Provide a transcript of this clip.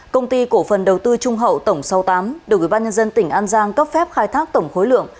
công ty cổ phần đầu tư trung hậu tổng sáu mươi tám được ubnd tỉnh an giang cấp phép khai thác tổng khối lượng